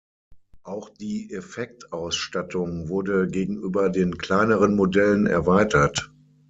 Auch die Effekt-Ausstattung wurde gegenüber den kleineren Modellen erweitert.